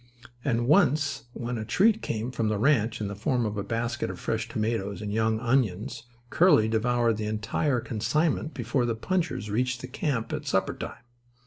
And once, when a treat came from the ranch in the form of a basket of fresh tomatoes and young onions, Curly devoured the entire consignment before the punchers reached the camp at supper time.